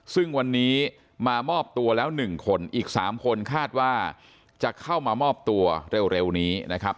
ซึ่งวันนี้มามอบตัวแล้ว๑คนอีก๓คนคาดว่าจะเข้ามามอบตัวเร็วนี้นะครับ